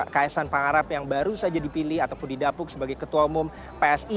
kaisang pangarap yang baru saja dipilih ataupun didapuk sebagai ketua umum psi